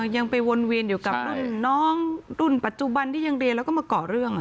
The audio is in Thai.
ยังไปวนเวียนอยู่กับรุ่นน้องรุ่นปัจจุบันที่ยังเรียนแล้วก็มาก่อเรื่อง